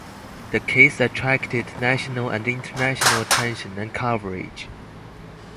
The case attracted national and international attention and coverage.